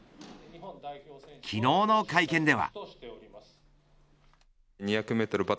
昨日の会見では。